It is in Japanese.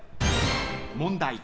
問題。